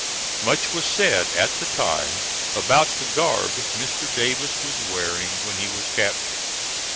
Much was said at the time about the garb Mr. Davis was wearing when he was captured.